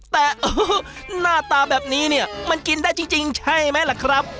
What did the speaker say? แต่หน้าตาแบบนี้เนี่ยมันกินได้จริงใช่ไหมล่ะครับ